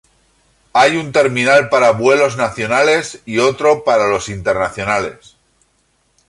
Hay un terminal para vuelos nacionales y otros para los internacionales.